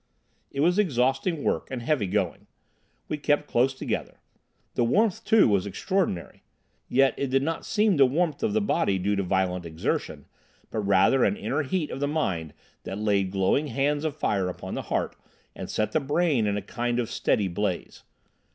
It was exhausting work, and heavy going. We kept close together. The warmth, too, was extraordinary. Yet it did not seem the warmth of the body due to violent exertion, but rather an inner heat of the mind that laid glowing hands of fire upon the heart and set the brain in a kind of steady blaze.